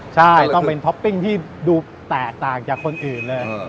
ใช่ต้องเป็นท็อปปิ้งที่ดูแตกต่างจากคนอื่นเลย